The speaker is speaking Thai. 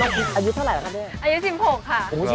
และอายุเท่าไรอ่ะครับเรื่อง